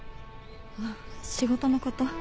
あっ仕事のこと。